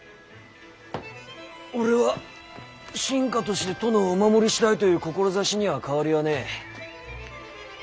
俺は臣下として殿をお守りしたいという志には変わりはねぇ。